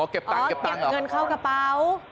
เก็บเงินเข้ากระเป๋า